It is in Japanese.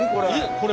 これ。